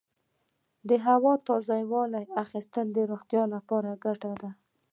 د هوا تازه والي اخیستل د روغتیا لپاره ګټور دي.